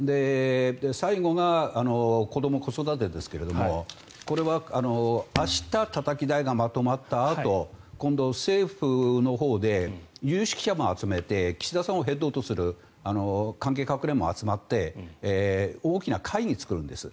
最後が子ども・子育てですがこれは明日たたき台がまとまったあと今度、政府のほうで有識者も集めて岸田さんをヘッドとする関係閣僚も集まって大きな会議を作るんです。